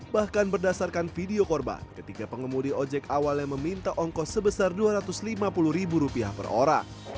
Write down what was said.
bahkan berdasarkan video korban ketiga pengemudi ojek awalnya meminta ongkos sebesar dua ratus lima puluh ribu rupiah per orang